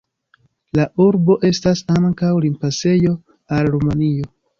La urbo estas ankaŭ limpasejo al Rumanio.